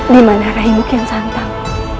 dimana raih mu kian santang